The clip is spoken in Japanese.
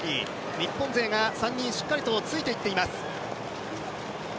日本勢が３人しっかりとついていっています。